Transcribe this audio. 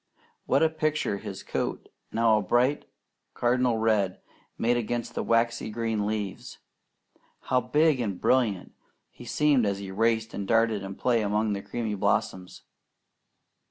What a picture his coat, now a bright cardinal red, made against the waxy green leaves! How big and brilliant he seemed as he raced and darted in play among the creamy blossoms!